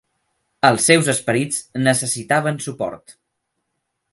Els seus esperits necessitaven suport.